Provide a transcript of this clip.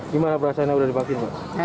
gimana perasaannya udah dipaksin pak